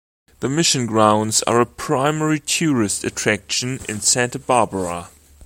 The Mission grounds are a primary tourist attraction in Santa Barbara.